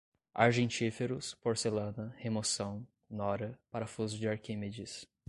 argentíferos, porcelana, remoção, nora, parafuso de Arquimedes